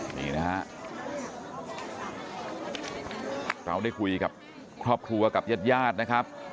นี่นะฮะเราได้คุยกับครอบครัวกับญาติญาตินะครับ